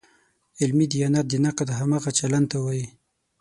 علمي دیانت د نقد همغه چلن ته وایي.